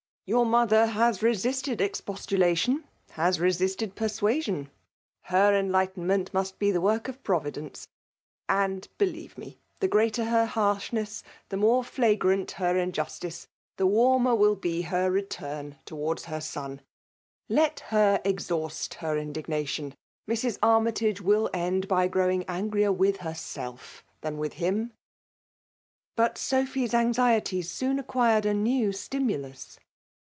'* Your mother has resisted ex postulation, has resisted persuasion; her en lightenment must be the work of Providence ! and, believe me> the greater her harshnesfii, the more flagrant her injustice, the warmer wiU be her return towards her son* Let her exhaust her indignation. Mrs. Armytage will end by growing angrier with herself than with Am." But Sophy's anxieties soon acquired a new stimulus.